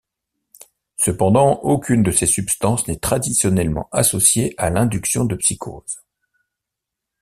Cependant, aucune de ces substances n'est traditionnellement associée à l'induction de psychose.